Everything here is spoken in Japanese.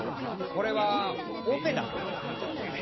これはオペだな。